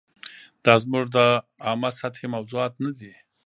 دا زموږ د عامه سطحې موضوعات نه دي.